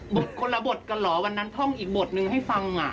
คนละบทกันเหรอวันนั้นท่องอีกบทนึงให้ฟัง